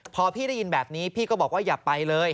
พอพี่ได้ยินแบบนี้พี่ก็บอกว่าอย่าไปเลย